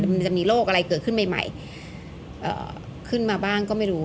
มันจะมีโรคอะไรเกิดขึ้นใหม่ขึ้นมาบ้างก็ไม่รู้